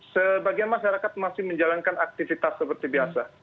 sebagian masyarakat masih menjalankan aktivitas seperti biasa